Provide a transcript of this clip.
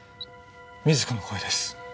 瑞子の声です。